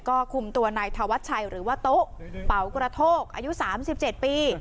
ก็คุมตัวในธวัตชัยหรือว่าโต๊ะเป๋ากระโทกอายุสามสิบเจ็ดปี